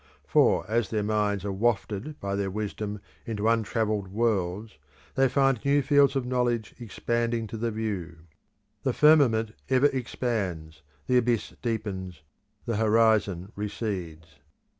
For as their minds are wafted by their wisdom into untravelled worlds, they find new fields of knowledge expanding to the view; the firmament ever expands, the abyss deepens, the horizon recedes.